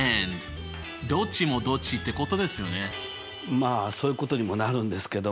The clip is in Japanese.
まあそういうことにもなるんですけども。